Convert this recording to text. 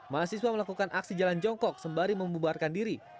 mahasiswa melakukan aksi jalan jongkok sembari membubarkan diri